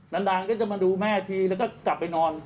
นานก็จะมาดูแม่ทีแล้วก็กลับไปนอน